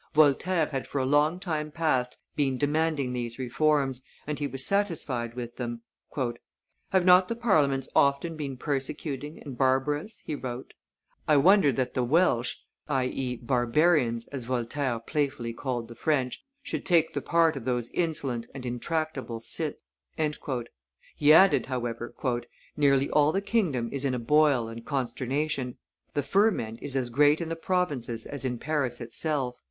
Voltaire had for a long time past been demanding these reforms, and he was satisfied with them. "Have not the Parliaments often been persecuting and barbarous?" he wrote; "I wonder that the Welches [i. e., Barbarians, as Voltaire playfully called the French] should take the part of those insolent and intractable cits." He added, however, "Nearly all the kingdom is in a boil and consternation; the ferment is as great in the provinces as in Paris itself."